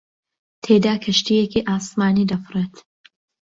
تێیدا کەشتییەکی ئاسمانی دەفڕێت